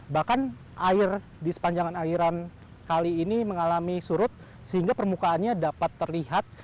bahkan air di sepanjang airan kali ini mengalami surut sehingga permukaannya dapat terlihat